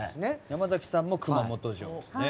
山崎さんも熊本城ですね。